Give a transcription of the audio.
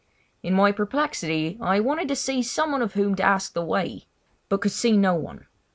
In my perplexity I wanted to see someone of whom to ask the way, but could see no one.